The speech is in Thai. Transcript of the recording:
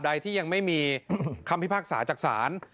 ใดที่ยังไม่มีคำพิพากษาจากศาล